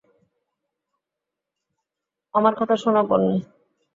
আমার কথা শোন, পোন্নি।